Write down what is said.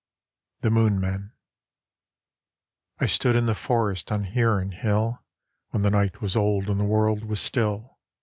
THE MOONMEN I stood in the forest on Huron Hill When the night was old and the world was still.